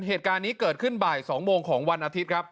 เหตุการณ์นี้เกิดขึ้นบ่าย๒โมงของวันอาทิตย์ครับ